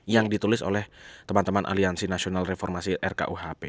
yang ditulis oleh teman teman aliansi nasional reformasi rkuhp